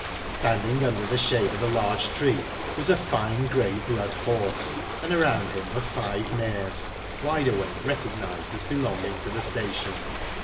"Standing under the shade of a large tree was a fine grey blood horse, and around him, were five mares Wide Awake recognised as be longing to the station.